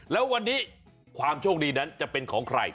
แล้ววันนี้ความโชคดีนั้นจะเป็นของใคร